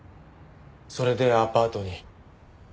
それでアパートに。